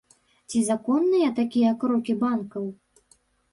Ці законныя такія крокі банкаў?